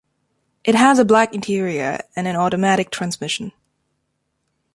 It has a black interior, and an automatic transmission.